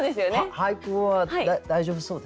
俳句は大丈夫そうですか？